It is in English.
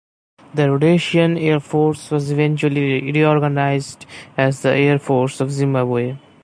The Rhodesian Air Force was eventually reorganised as the Air Force of Zimbabwe.